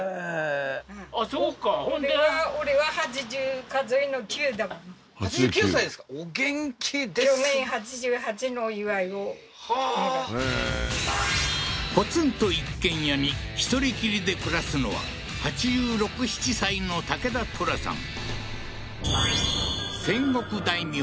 あっそうか８９歳ですかはあーポツンと一軒家に１人きりで暮らすのは８６８７歳の武田トラさん戦国大名